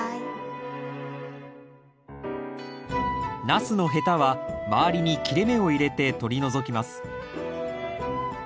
ナスのヘタは周りに切れ目を入れて取り除きます。